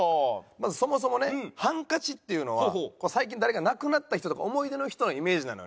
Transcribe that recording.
まずそもそもねハンカチっていうのは最近誰か亡くなった人とか思い出の人のイメージなのよね。